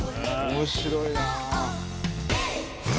面白いな。